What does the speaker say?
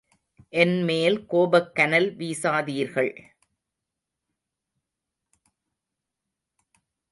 என் மேல் கோபக் கனல் வீசாதீர்கள்.